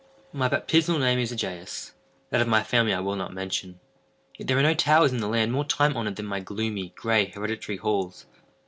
My baptismal name is Egaeus; that of my family I will not mention. Yet there are no towers in the land more time honored than my gloomy, gray, hereditary halls.